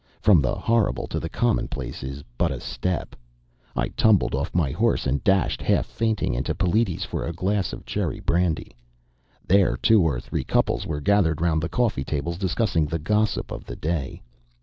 From the horrible to the commonplace is but a step. I tumbled off my horse and dashed, half fainting, into Peliti's for a glass of cherry brandy. There two or three couples were gathered round the coffee tables discussing the gossip of the day.